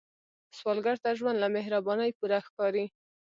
سوالګر ته ژوند له مهربانۍ پوره ښکاري